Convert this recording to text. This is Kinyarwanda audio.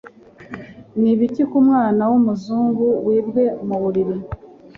Nibiki kumwana wumuzungu wibwe muburiri